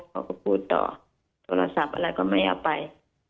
เขาก็พูดต่อโทรศัพท์อะไรก็ไม่เอาไป